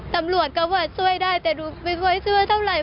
ตำรวจก็ว่าช่วยได้แต่ดูไม่ค่อยช่วยเท่าไหร